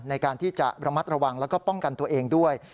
ในการที่จะระมัดระวังแล้วก็ป้องกันตัวเองด้วย